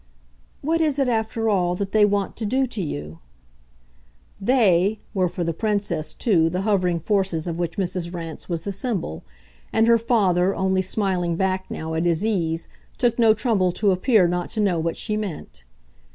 "What is it, after all, that they want to do to you?" "They" were for the Princess too the hovering forces of which Mrs. Rance was the symbol, and her father, only smiling back now, at his ease, took no trouble to appear not to know what she meant.